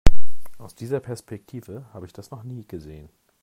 Aus dieser Perspektive habe ich das noch nie gesehen.